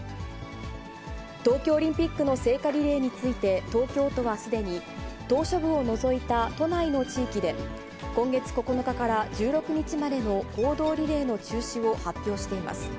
東京オリンピックの聖火リレーについて、東京都はすでに、島しょ部を除いた都内の地域で、今月９日から１６日までの公道リレーの中止を発表しています。